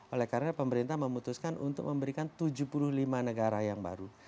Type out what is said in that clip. oleh karena pemerintah memutuskan untuk memberikan tujuh puluh lima negara yang baru